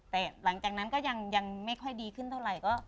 จากนั้นก็ยังไม่ค่อยดีขึ้นเท่าไหร่